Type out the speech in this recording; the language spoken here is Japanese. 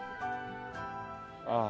ああ。